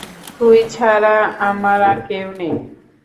তুই ছাড়া আমার আর কেউ নেই।